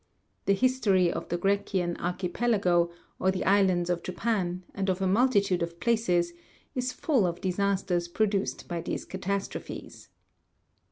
The his tory of the Grecian archipelago, of the islands of Japan, and of a multitude of places, is full of disasters produced by these catas trophes.